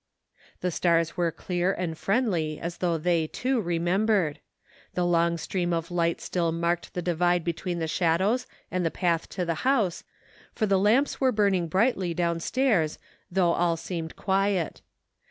The stars were clear and friendly as thougih they, too, remembered. The long stream of light still marked the divide between the shadows and the path to the house, for the lamps were burning brightly downstairs, though all seemed quiet.